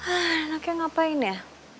eh enaknya ngapain ya